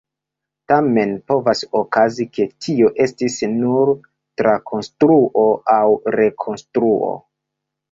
Tamen povas okazi, ke tio estis nur trakonstruo aŭ rekonstruo.